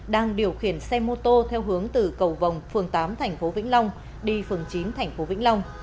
đang điều khiển xe mô tô theo hướng từ cầu vòng tám thành phố vĩnh long đi phường chín thành phố vĩnh long